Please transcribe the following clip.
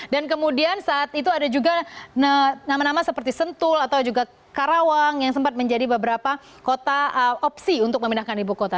dan kemudian saat itu ada juga nama nama seperti sentul atau juga karawang yang sempat menjadi beberapa kota opsi untuk memindahkan ibu kota